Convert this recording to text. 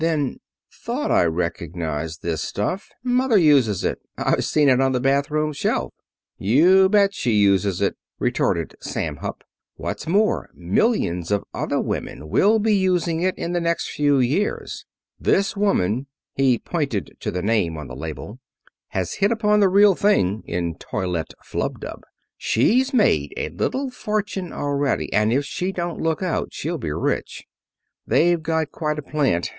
Then: "Thought I recognized this stuff. Mother uses it. I've seen it on the bathroom shelf." "You bet she uses it," retorted Sam Hupp. "What's more, millions of other women will be using it in the next few years. This woman," he pointed to the name on the label, "has hit upon the real thing in toilette flub dub. She's made a little fortune already, and if she don't look out she'll be rich. They've got quite a plant.